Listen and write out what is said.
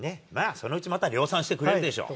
そのうち、また、量産してくれるでしょう。